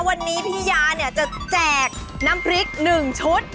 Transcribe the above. วันนี้พี่ยาเนี่ยจะแจกน้ำพริก๑ชุด